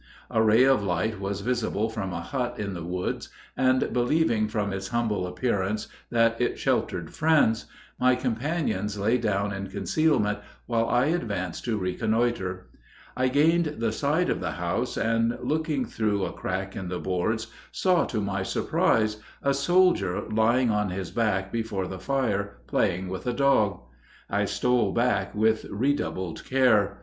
A ray of light was visible from a hut in the woods, and believing from its humble appearance that it sheltered friends, my companions lay down in concealment while I advanced to reconnoiter. I gained the side of the house, and, looking through a crack in the boards, saw, to my surprise, a soldier lying on his back before the fire playing with a dog. I stole back with redoubled care.